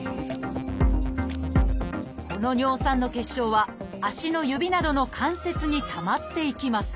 この尿酸の結晶は足の指などの関節にたまっていきます。